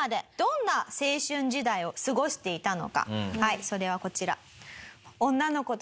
まずそれはこちら。